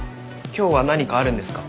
今日は何かあるんですか？